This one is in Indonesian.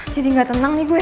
jadi gak tenang nih gue